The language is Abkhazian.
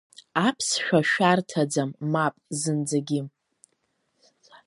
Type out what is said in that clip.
Аԥсшәа шәарҭаӡам, мап, зынӡагьы…